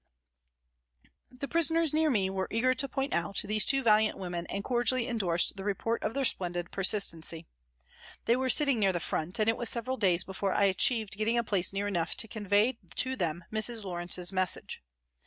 N2 180 PRISONS AND PRISONERS The prisoners near me were eager to point out these two valiant women and cordially endorsed the report of their splendid persistency. They were sitting near the front, and it was several days before I achieved getting a place near enough to convey to them Mrs. Lawrence's message.